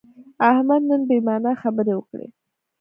احمد نن بې معنا خبرې وکړې.